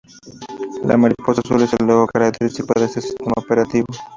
La mariposa azul es el logo característico de este sistema operativo.